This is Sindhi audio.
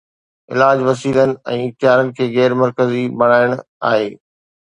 علاج وسيلن ۽ اختيار کي غير مرڪزي بڻائڻ آهي.